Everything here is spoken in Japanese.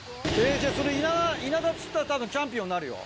じゃあそれイナダ釣ったらたぶんチャンピオンになるよ。